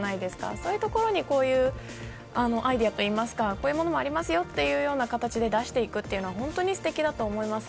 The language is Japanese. そういうところにこういうアイデアといいますかこういうものもありますよと出していくのは本当にすてきだと思います。